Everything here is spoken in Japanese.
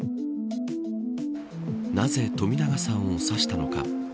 なぜ、冨永さんを刺したのか。